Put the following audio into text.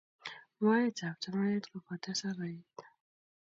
Moet ab tomonet kokokotesek koet.